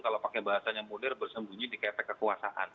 kalau pakai bahasanya mudir bersembunyi di ketek kekuasaan